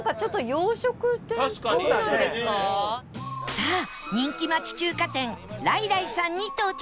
さあ人気町中華店来来さんに到着